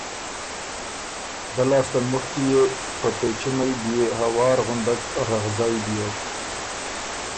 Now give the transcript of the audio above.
دۀ لاسته مخکی يې په پېچُمئ بيې هوار غُندک رغزئ بیوک۔